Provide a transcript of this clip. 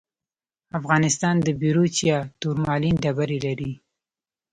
افغانستان د بیروج یا تورمالین ډبرې لري.